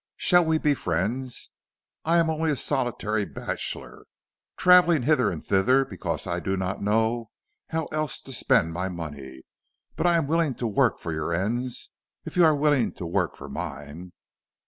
Shall we be friends? I am only a solitary bachelor, travelling hither and thither because I do not know how else to spend my money; but I am willing to work for your ends if you are willing to work for mine."